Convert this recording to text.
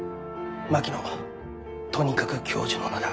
槙野とにかく教授の名だ。